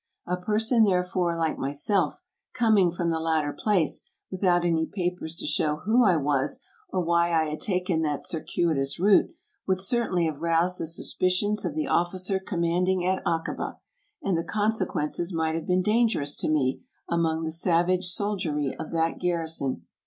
A person, therefore, like myself, coming from the latter place, without any papers to show who I was or why I had taken that circuitous route, would certainly have roused the sus picions of the officer commanding at Akaba, and the con sequences might have been dangerous to me among the savage soldiery of that garrison.